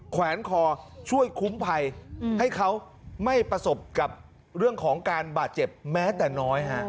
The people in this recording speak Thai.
แขวนคอช่วยคุ้มภัยให้เขาไม่ประสบกับเรื่องของการบาดเจ็บแม้แต่น้อยฮะ